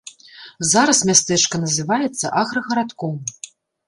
Зараз мястэчка называецца аграгарадком.